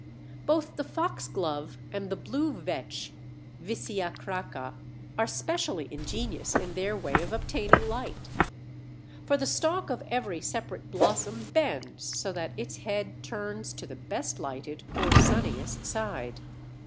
Both the Foxglove and the Blue Vetch (Vicia Cracca) are specially ingenious in their way of obtaining light. For the stalk of every separate blossom bends so that its head turns to the best lighted or sunniest side.